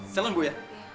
silahkan bu ya